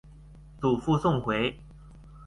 祖父宋回。